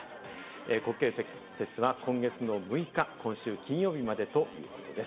国慶節は今月の６日、今週金曜日までということです。